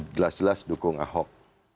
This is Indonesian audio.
jelas jelas dukung ahok